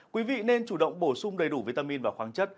quý vị nên chủ động bổ sung đầy đủ vitamin và khoáng chất